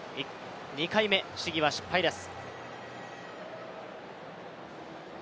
２回目、試技は失敗です。